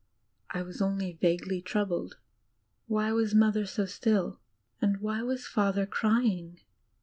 I was only vaguely troubled. Why was Mother so still? And why was Father crying?